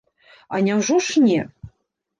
А няўжо ж не!